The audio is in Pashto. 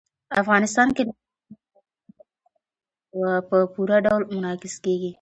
افغانستان کې لمریز ځواک د هنر په اثارو کې په پوره ډول منعکس کېږي.